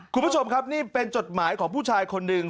คุณผู้ชมครับนี่เป็นจดหมายของผู้ชายคนหนึ่ง